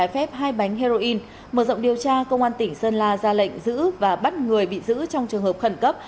và ba bánh heroin mở rộng điều tra công an tỉnh sơn la ra lệnh giữ và bắt người bị giữ trong trường hợp khẩn cấp